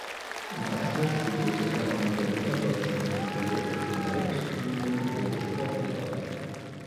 Im Anschluss studierte er an der Berliner Deutschen Hochschule für Leibesübungen und wurde Sportlehrer.